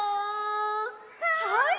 はい！